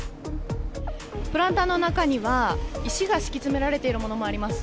プランターの中には石が敷き詰められているものもあります。